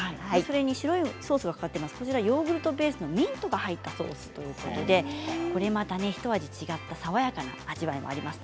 白いソースがかかっていますがヨーグルトベースのミントが入ったソースということでひと味違った爽やかな味わいもあります。